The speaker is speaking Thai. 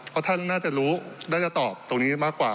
เพราะท่านน่าจะรู้น่าจะตอบตรงนี้มากกว่า